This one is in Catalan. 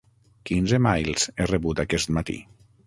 Quins emails he rebut aquest matí?